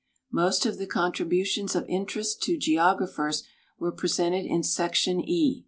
Most of the contributions of interest to geographers were presented in Section E.